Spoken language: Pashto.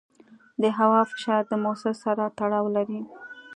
د هوا فشار د موسم سره تړاو لري.